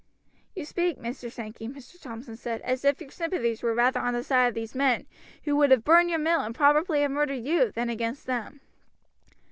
"You speak, Mr. Sankey," Mr. Thompson said, "as if your sympathies were rather on the side of these men, who would have burned your mill, and probably have murdered you, than against them."